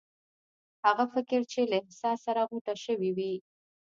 هغه فکر چې له احساس سره غوټه شوی وي.